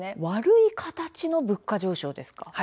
悪い形の物価上昇ですか？